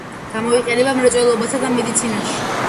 გამოიყენება მრეწველობასა და მედიცინაში.